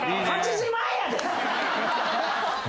８時前やで。